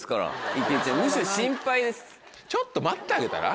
ちょっと待ってあげたら？